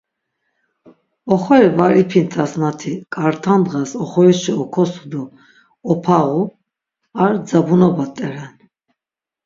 Oxori var ipintas nati k̆art̆a nğas oxorişi okosu do opağu, ar dzabunoba rt̆eren.